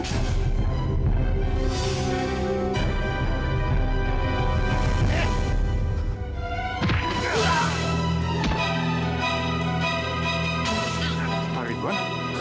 tidak ada apa apa